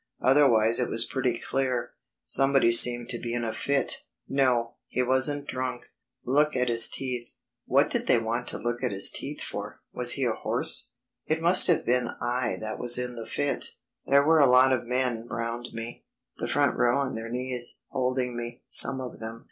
Otherwise it was pretty clear. Somebody seemed to be in a fit. No, he wasn't drunk; look at his teeth. What did they want to look at his teeth for; was he a horse? It must have been I that was in the fit. There were a lot of men round me, the front row on their knees holding me, some of them.